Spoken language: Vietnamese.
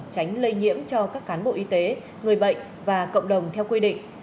tránh lây nhiễm cho các cán bộ y tế người bệnh và cộng đồng theo quy định